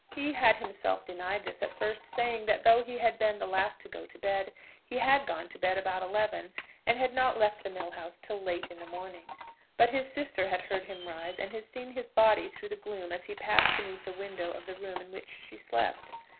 He had himself denied this at first, saying, that though he had been the last to go to bed, he had gone to bed about eleven, and had not left the mill house till late in the morning; but his sister had heard him rise, and had seen his body through the gloom as he passed beneath the window of the room in which she slept.